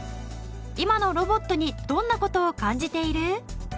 今のロボットにどんな事を感じている？